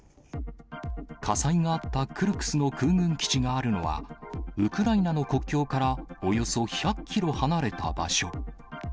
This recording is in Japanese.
火災があったクルスクの空軍基地があるのは、ウクライナの国境からおよそ１００キロ離れた場所。